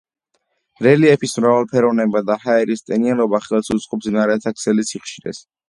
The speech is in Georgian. რელიეფის მრავალფეროვნება და ჰაერის ტენიანობა ხელს უწყობს მდინარეთა ქსელის სიხშირეს.